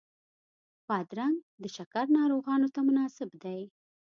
بادرنګ د شکر ناروغانو ته مناسب دی.